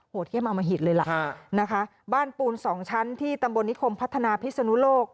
เทียบอมหิตเลยล่ะนะคะบ้านปูนสองชั้นที่ตำบลนิคมพัฒนาพิศนุโลก